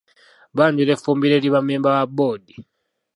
Banjula effumbiro eri bammemba ba Bboodi.